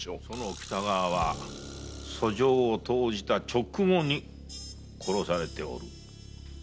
その北川は訴状を投じた直後に殺されておる。